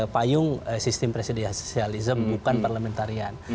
payung sistem presidensialisme bukan parlamentarian